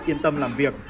yên tâm làm việc